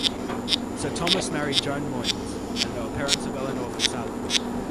Sir Thomas married Joan Moyns, and they were parents of Eleanor FitzAlan.